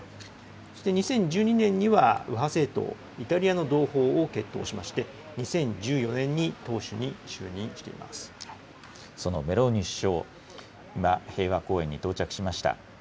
そして２０１２年には右派政党、イタリアの同胞を結党しまして、２０１４年に党首に就任していまそのメローニ首相、今、平和公園に到着しました。